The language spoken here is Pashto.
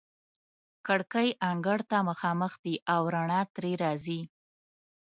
کړکۍ انګړ ته مخامخ دي او رڼا ترې راځي.